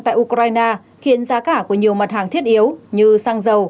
tại ukraine khiến giá cả của nhiều mặt hàng thiết yếu như xăng dầu